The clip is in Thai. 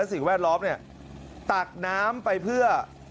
สิ่งแวดล้อมเนี่ยตักน้ำไปเพื่อ